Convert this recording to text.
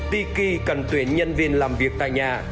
tiki cần tuyển nhân viên làm việc tại nhà